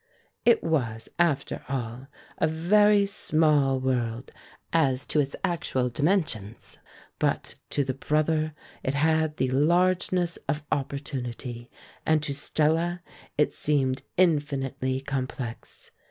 It was, after all, a very small world as to its actual dimensions, but to the brother it had the largeness of opportunity, and to Stella it seemed infinitely complex.